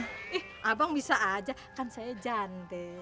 ih abang bisa aja kan saya jande